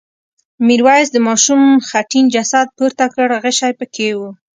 میرويس د ماشوم خټین جسد پورته کړ غشی پکې و.